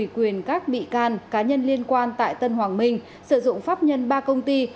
quyền các bị can cá nhân liên quan tại tân hoàng minh sử dụng pháp nhân ba công ty